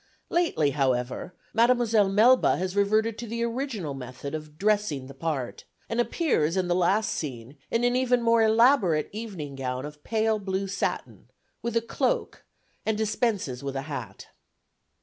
Lately, however, Mdme. Melba has reverted to the original method of dressing the part, and appears in the last scene in an even more elaborate evening gown of pale blue satin, with a cloak, and dispenses with a hat.